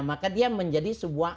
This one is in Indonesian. maka dia menjadi sebuah